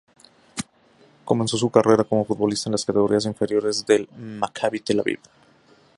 Comenzó su carrera como futbolista en las categorías inferiores del Maccabi Tel Aviv.